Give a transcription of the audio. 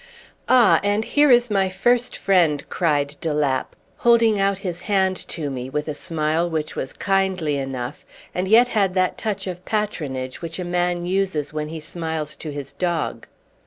"Ah! and here is my first friend," cried de Lapp, holding out his hand to me with a smile which was kindly enough, and yet had that touch of patronage which a man uses when he smiles to his dog.